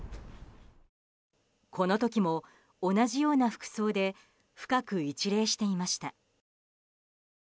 この時も同じような服装で深く一礼していました。